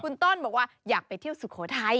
คุณต้นบอกว่าอยากไปเที่ยวสุโขทัย